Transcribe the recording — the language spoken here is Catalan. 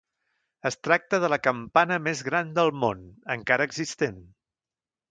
Es tracta de la campana més gran del món, encara existent.